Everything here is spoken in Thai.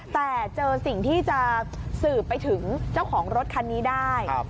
แต่เจอสิ่งที่จะสืบไปถึงเจ้าของรถคันนี้ได้